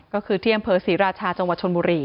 ก็คือที่อำเภอศรีราชาจังหวัดชนบุรี